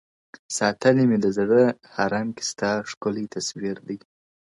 o ساتلی مي د زړه حرم کي ستا ښکلی تصویر دی,